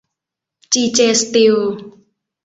จี เจ สตีล